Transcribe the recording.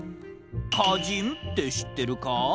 かじんってしってるか？